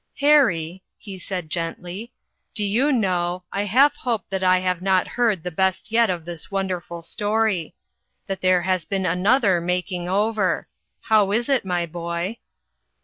" Harry," he said gently, " do you know, I half hope that I have not heard the best yet of this wonderful story ; that there has been another ' making over.' How is it, my boy?"